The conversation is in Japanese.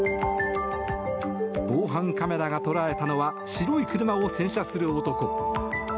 防犯カメラが捉えたのは白い車を洗車する男。